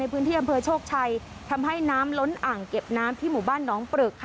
พื้นที่อำเภอโชคชัยทำให้น้ำล้นอ่างเก็บน้ำที่หมู่บ้านน้องปรึก